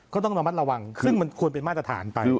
ก็ต้องระมัดระวังซึ่งมันควรเป็นมาตรฐานไป